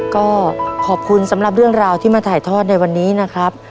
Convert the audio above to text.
ก็ขอบคุณสำหรับเรื่องราวที่มาถ่ายทอดในวันนี้นะครับ